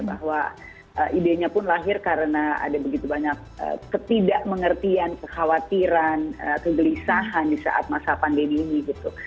bahwa idenya pun lahir karena ada begitu banyak ketidakmengertian kekhawatiran kegelisahan di saat masa pandemi ini gitu